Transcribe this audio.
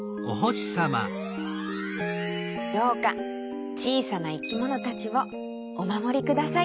どうかちいさないきものたちをおまもりください。